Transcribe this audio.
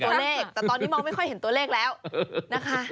ตัวเลขแต่ตอนนี้มองไม่ค่อยเห็นตัวเลขแล้วนะคะ